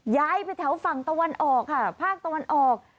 ย้ายไปแถวฝั่งตะวันออกค่ะภาคตะวันออก